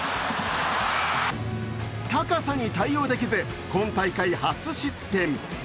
高さに対応できず今大会初失点。